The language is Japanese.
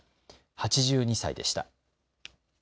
８２歳でした。